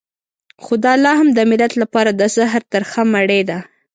خو دا لا هم د ملت لپاره د زهر ترخه مړۍ ده.